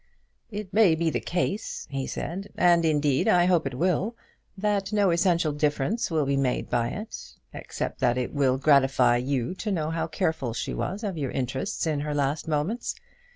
"It may be the case," he said, "and, indeed, I hope it will, that no essential difference will be made by it; except that it will gratify you to know how careful she was of your interests in her last moments.